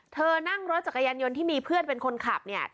เธอนั่งรถจักรยานยนต์ที่มีเพื่อนเป็นคนขับเนี่ย